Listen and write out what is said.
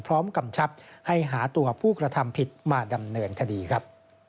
กำชับให้หาตัวผู้กระทำผิดมาดำเนินคดีครับ